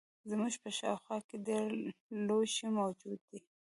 زموږ په شاوخوا کې ډیر لوښي موجود دي.